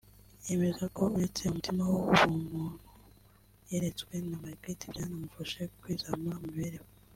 yemeza ko uretse umutima w’ubumuntu yeretswe na Margrit byanamufashije kwizamura mu mibereho